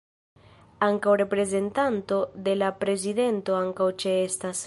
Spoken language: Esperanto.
Ankaŭ reprezentanto de la prezidento ankaŭ ĉeestas.